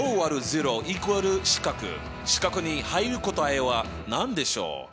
四角に入る答えは何でしょう？